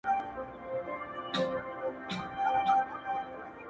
هر غاټول يې زما له وينو رنګ اخيستی!